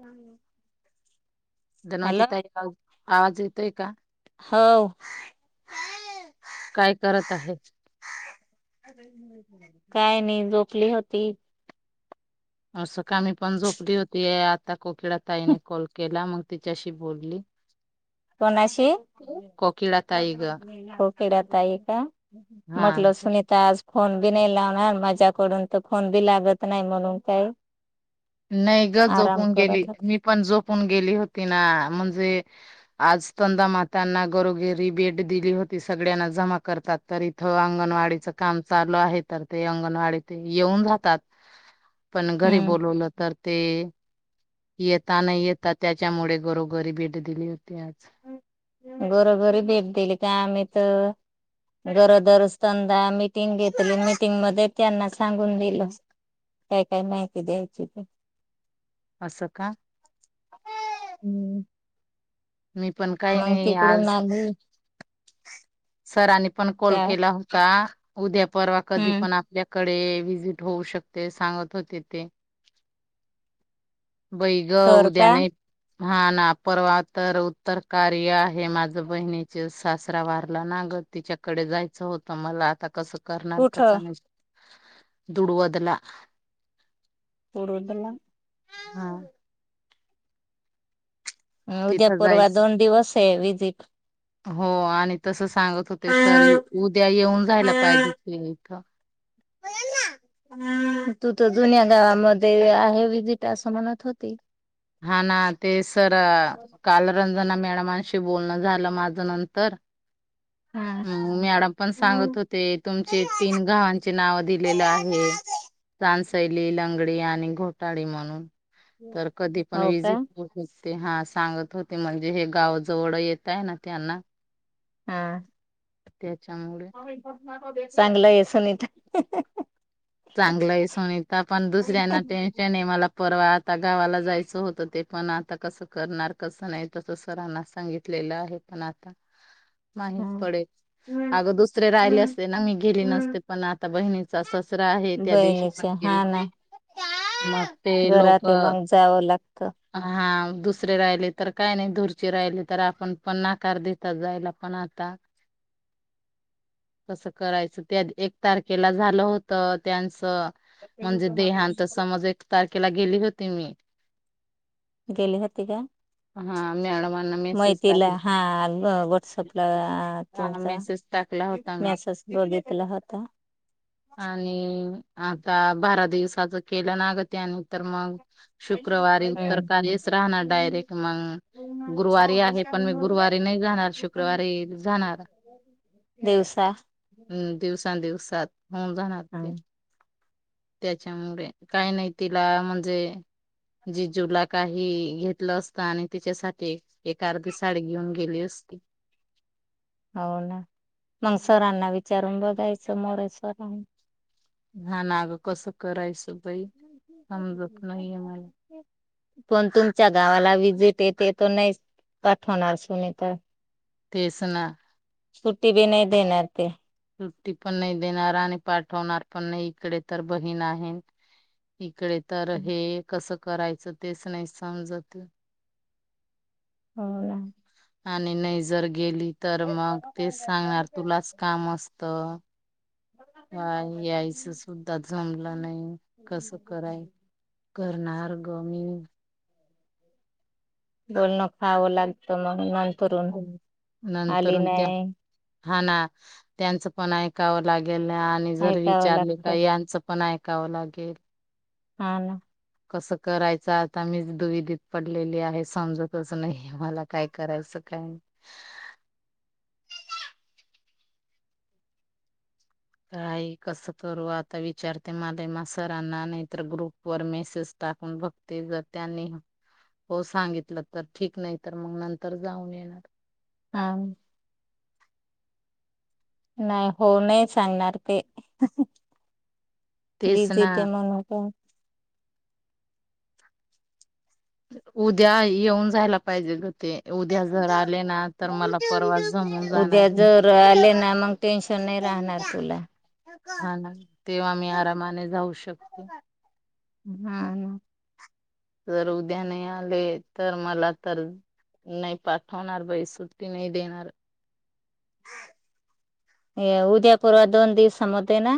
हम्. धनवती ताई ओ आवाज येतोय का. हो काय करत आहे. काय नाही झोपली होती. असं काही पण झोपली होती, आता कोकिळा ताईने कॉल केला मग. तिच्याशी बोलली. कोणाशी. कोकिळा ताई ग खेड आहे, का हा म्हटलं सुनीता आज. फोन बी नाही लावणार मजाकडून तर फोन बी लागत नाही म्हणून काही. नाही ग झोपून गेली होता मी पण झोपून गेली होती ना म्हणजे. आज तंदा मात्यांना गरोघिरी बेड दिली होती, सगळ्यांना जमा करतात तर इथं अंगण वाडीच काम चालू आहे, तर ते अंगणवाडी ते येऊन जातात. पण घरी हम्म बोलवलं. ते येता नाही येता त्याच्यामुळे घरोघरी भेट दिली होती. आज घरोघरी भेट दिली का आम्ही तर. [inaudible] गरोदरच तंदा मिटिंग घेतली मिटिंग मध्ये त्यांना सांगून दिलं. काय काय माहिती द्यायची ते. अस का. हम्म. मी पण काही मग नाही तिकडून आज आली. सरांनी पण कॉल त्या केला होता, उद्या परवा कधी हम्म पण आपल्या कडे विजिट होऊ शकते सांगत होते ते. बै ग तर उद्या का नाही. हा ना परवा तर उत्तर कार्य आहे, माझ बहिणीचे सासरा वारला ना. ग तिच्याकडे जायचं होत, मला आता कसं. करणार कुठ कस दुडवदला. पूर्वतला. हा. तिथं उदयपूरवा जायच. दोन दिवस आहे विजिट. हो आणि तस सांगत होते सर उद्या येऊन जायला पाहिजे इथं [unintelligible] तू तर जुन्या गावामध्ये आहे विजिट. त्यास मनात होती. हा ना ते सर कालरं. मॅडमांशी बोलणं झालं माझ नंतर. ह हो मॅडम पण सांगत होते, तुमचे तीन गावांचे नाव दिलेलं आहे. चानस. सैली लंगडी आणि घोटाळी म्हणून तर कधी पण का विजिट. ते हा सांगत होते, म्हणजे हे गावजवळ येत आहे, ना त्यांना. हा. त्याच्यामुळे. चांगलं आहे सुनीता ह ह ह. चांगलंय सुनीता पण दुसऱ्यांना टेन्शन आहे मला परवात आता गावाला जायचं होतं ते पण आता कसं करणार कसं नाही तसं सरांना सांगितलेलं आहे त्यांता माहीित पडेल अगं दुसरे राहिले असते ना मी गेली नसते पण आता बहिणीच अस आहे त्या दिवशी बहिणीच पण गे हा ना मग ते लोक घरात मग जावं लागतं हा दुसरे राहिले तर काय नाही धुरचे राहिले तर आपण पण नाकार देतात जायला पण आता कस करायचं त्या एक तारखेला झालं होत तर त्यांच म्हणजे देहांत समज एक तारखेला गेली होती मी गेली होती का हा मॅडमांना मै मेसेज तिला हा पला टाकला हा तुमचा मेसेज टाकला होता मी मेसेज बघितला होता आणि आता बारा दिवसाच केलं नाग त्यान तरर मग शुक्रवारी उत्तर काच राहणार डायरेक्ट मग गुरुवारी आहे पण मी गुरुवारी नाही जाणार शिको शुक्रवारी जाणार दिवसा हम् दिवस दििवसात होऊन जाणार ते हो त्याच्यामुळे काही नाही तिला म्हणजे जिजूला काही घेतलं असतं आणि तिच्यासाठी एक अर्धी साडी घेऊन गेली असती हो ना मग सरांना विचारून बघायचं मोर सरां हा नागं कसं करायचं बाई समजत नाहीये मला पण तुमच्या गावाला विजिट ते ते तर नाही पाठवणार सुनी तर तेसना सुट्टी बी नाही देणार ते तृी पण नाही देणार आणि पाठवणार पण नाही इकडे तर बहीण आहे तिकडे तर हे हो कसं करायचं तेच नाही समजत हो ना आणि नाही जर गेली तर मग तेच सांगणार तुलाच काम असत हा यायचं सुद्धा जमलं नाही कसं कराय करणार गमी ब खां लागतो आणि म नंतर हा ना त्यांचं पण ऐकावं लागेल गे आणि जर ऐकावं विचारले का लागतं यांच पण ऐकावं लागेल हा ना कसं करायचं आता मीच दुविधित पडलेली आहे समजतच नाही मला काय कराय शकत ओ काे तरई कस करू आता विचारते मला म सरांना नाही तरर ग्रुप वर मेसेज टाकून बघते ज त्यांनी हो सांगितलं तर ठीक नाही तर मग नंतर जाऊन येणार हा नाही होऊ नाही सांगणार ते तेच रिज ना ते म्हनत उद्या येऊन जायला पाहिजे ते उद्या जर आले ना तर मला परवा जमून उद्या जाणार. जले ना मग टेनशन नाही राहणार तुला हा ना तेव्हा आम्ही आरामाने जाऊ शकतो हा जर उद्या नाही आले तर मला तर नाही पाठवणार बाई सुट्टी नाही देणार या उद्या पूर्व दोन दिवस समत आहे ना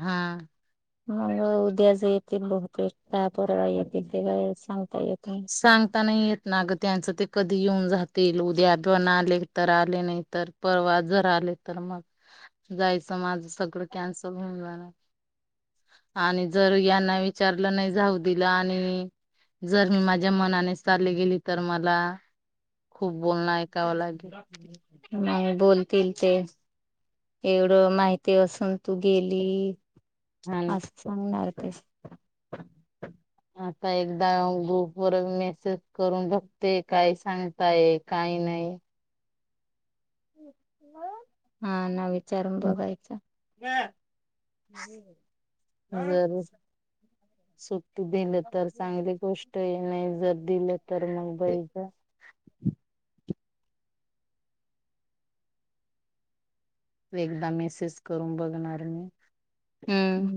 हा मग उद्याच येतील बहुतेक काय परवा येतील ते काय सांगता येेत सांग ता नाही येत ना ग त्यांचं ते कधी येऊन जातील. उद्या दण आले तर आले नाही तर, परवा जर आले तर मग जायचं माझ सगळं कॅन्सल होऊन जाणार. आणि जर यांना विचारलं नाही जाऊ दिलं आणि जर - - मी माझ्या मनाने चालली गेली तर मला खूप बोलणं ऐकावं लागेल [unintelligible] बोलतील ते एवढं माहिती असून तू गेली. हा ना अस सांगणारखीच. आता एकदा ग्रुप वर मेसेज करून बघते. काय सांगताय काही नाही. हो. हा ना. विचारून बघायचं. हम् ह. सुप - - दिलं तर चांगली गोष्ट ये नाही जर दिलं तर मग बैज एकदा मेसेज करून बघणार मी. हम्म.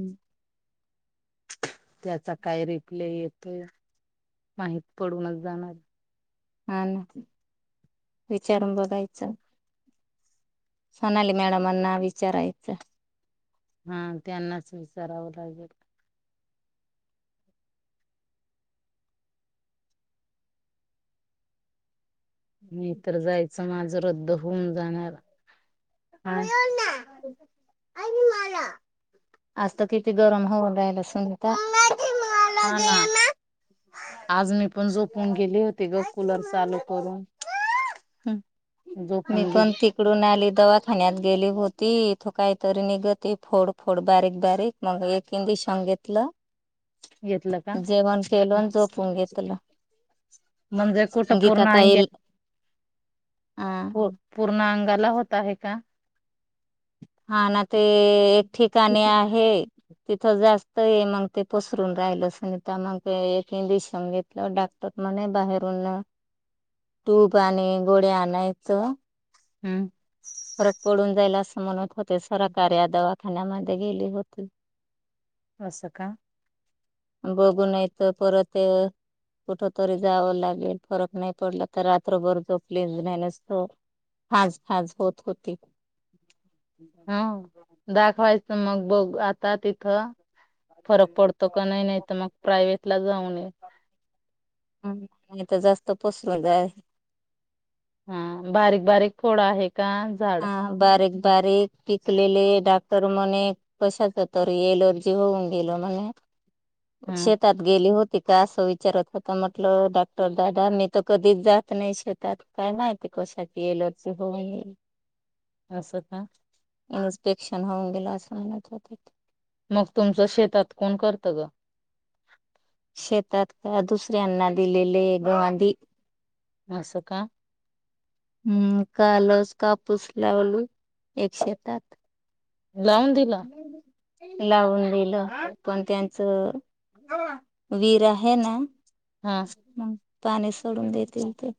[inaudible] त्याचा काय रिप्लाय येतोय. माहित पडूनच जाणार. हा विचारून बघायचं. सोनाली मॅडम अना विचारायचं. हा त्यांनाच विचारावं लागेल. नाही तरर जायचं माझं रद्द होऊन जाणार. हम. आज तर किती गरम होऊन राहिलं सुनीता. हाना. आज मी पण झोपून गेले होते ग कुलर चालू करून. ह. मी झोपून गे पण तिकडून आली दवाखान्यात गेली हो - - ती इथ काहीतरी निघत फोड फोड बारीक बारीक मग एक इंजिशन घेतलं. घेतलं का जेवण फेलून झोपून घेतलं. म्हणजे कुठं गीेत पूर्ण आता अंग्या येईल. पू- पूर्ण अंगाला होत आहे का? हा ना ते एक ठिकाणी आहे तिथ जास्त. मग ते पसरून राहिलं सुनीता मग ते एक इंजेक्शन घेतलं डॉक्टर म्हणे बाहेरून. टूब आणि गोळया आणायचं. हम्म फरक पडून जाईल असं म्हणत होते सराकारी या दवा ठाण्यामध्ये गेली होती. असं का. बघू नाहीतर परत ते. कुठ तरी जावं लागेल फरक नाही पडला तर रात्रभर झोपलेली नाही नुसत. खाज खाज होत होती. हा दाखवायचं मग बघ आता तिथं. फरक पडतो का नाही, नाही तर मग प्रायव्हेट ला जाऊन ये. हम्म नाही तर जास्त पसरून जाईल. हा बारीक बारीक फोड आहे का जाड. हा बारीक बारीक पिकलेले डॉक्टर म्हने कशाच तरी एलर्जी होऊन गेल म्हणे. हा शेतात गेली होती. ती का असं विचारत होता म्हटलं डॉक्टर दादा मी तर कधीच जात नाही शेतात काय माहिती. कशाची ऍलर्जी होऊन गेली. असं का. इन्स्पेक्शन होऊन गेला असं म्हणत होते ते. मग तुमचं शेतात कोण करतं ग? शेतात का दुसऱ्यांना दिलेले गवांधी. आस का. हम्म कालच कापूस लावल एक शेतात. लावून दिला. लावून दिलं पण त्यांच वीर आहे ना. हा मग पाणी सोडून देतील ते.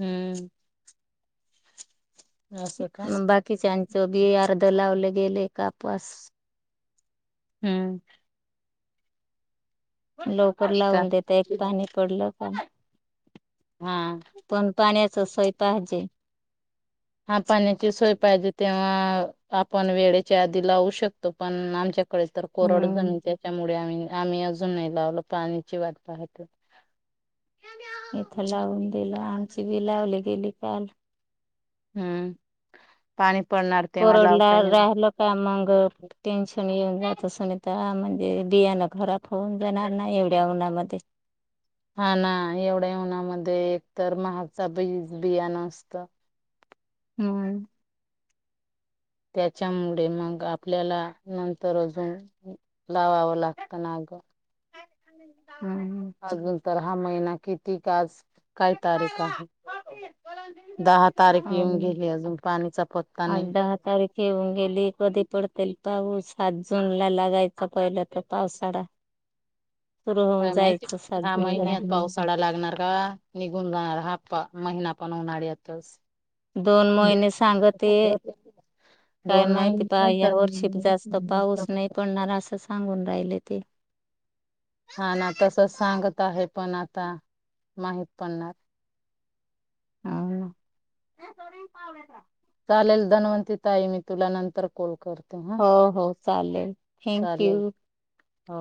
हम्म. असं का बाकीच्याचं बी अर्ध लावले गेले कापस. हम्म. लवकर ठीक लावून देेत एक आहे पाणी पडलं का. हा पण पाण्याच सोय पाहिजे. हा पाण्याची सोय पाहिजे तेव्हा. आपण वेळेच्या आधी लावू शकतो पण आमच्याकडे तर कोरड हम्म जमीन त्याच्यामुळे आम्ही आम्ही अजून नाही लावल पाण्याची वाट पाहतो. इथं लावून दिलं, आमचं बी लावली गेली काल. हम्म पाणी. पडणार तेव्हा कोरडला लावता येईल राहिल का मग टेन्शन येन. जायच सुनीता म्हणजे बियाना घरात होऊन जाणार नाही एवढ्या उन्हामध्ये. हा ना एवढ्या उन्हामध्ये एक तर महागचा बी बियान असतं. हम्म. त्याच्यामुळे मग आपल्याला नंतर अजून लावावं लागत ना. का [inaudible] अजून तर हा महिना किती आज काय तारीख आहे. दहा तारीख येऊन गेली अजून पाणीचा पत्ता आज नाही दहा तारीख येऊन गेली. कदी पडतेल पाऊस? सात जून ला लागायचा पहिला तो पावसाळा. सुरू होऊन काय माहिती जायचं सात ह्या जून ला महिन्यात पाऊसाळा लागणार. का निघून जाणार हा महिना पण उन्हाळ्यातच. दोन महिने सांगते. काय दोन माहिती पहा महिने या वर्षी जास्त पाऊस तर नाही पडणार असं सांगून राहिले ते. हा ना. तस सांगत आहे पण आता माहित पडणार. ह. चालेल धनवंती ताई मी तुला नंतर कॉल कर. हो हो. चालेल. थँंक चालेल यू. हो.